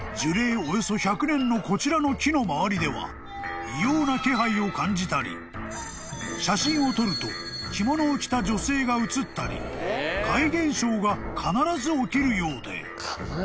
およそ１００年のこちらの木の周りでは異様な気配を感じたり写真を撮ると着物を着た女性が写ったり怪現象が必ず起きるようで］